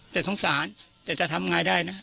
แต่สงสารแต่จะทำไงได้นะ